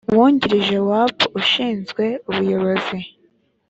wungirije wa u p ushinzwe ubuyobozi